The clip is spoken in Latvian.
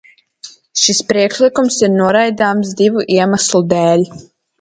Šis priekšlikums ir noraidāms divu iemeslu dēļ.